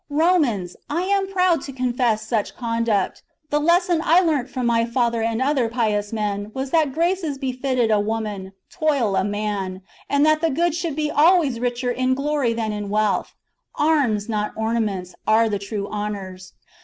Romans, I am proud to confess such conduct. The lesson I learnt from my father and other pious men was that graces befitted a woman, toil a man, and that the good should be always richer in glory than in wealth ; arms, not ornaments, are the true honours.